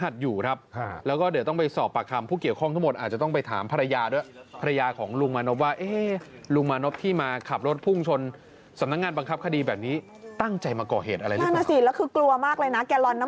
จริงมีน้ำมันอยู่เต็มนะแต่ว่าเปิดฝาไว้๒แกลลอน